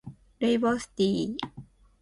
ルイボスティー